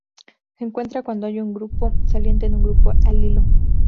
Se encuentra cuando hay un grupo saliente en un grupo alilo.